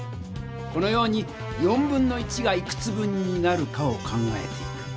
このように1/4がいくつ分になるかを考えていく。